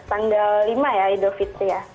tanggal lima ya idul fitri ya